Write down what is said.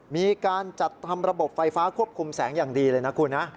มีการจัดทำระบบไฟฟ้าควบคุมแสงอย่างดีเลยนะคุณนะ